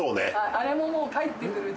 あれも帰ってくると。